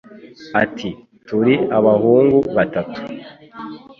Ati Turi abahungu batatu